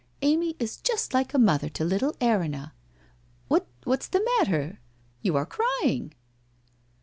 Amy is just like a mother to little Erinna What's the matter? You are crying